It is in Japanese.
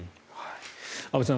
安部さん